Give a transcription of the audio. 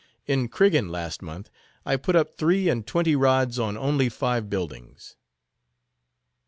"In Criggan last month, I put up three and twenty rods on only five buildings."